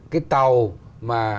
cái tàu mà